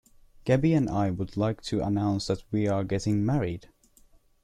Gabby and I would like to announce we are getting married!.